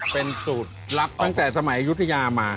เป็นสูตรลับตั้งแต่สมัยยุธยามา